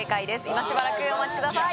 今しばらくお待ちください